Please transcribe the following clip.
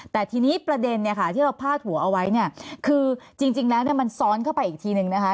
แต่ทีนี้ประเด็นเนี่ยค่ะที่เราพาดหัวเอาไว้เนี่ยคือจริงแล้วเนี่ยมันซ้อนเข้าไปอีกทีนึงนะคะ